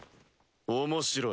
面白い。